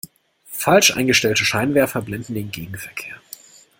Falsch eingestellte Scheinwerfer blenden den Gegenverkehr.